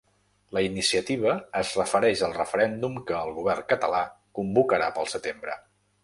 La iniciativa es refereix al referèndum que el govern català convocarà pel setembre.